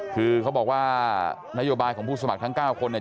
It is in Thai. คือเขาบอกว่านโยบายของผู้สมัครทั้ง๙คนเนี่ย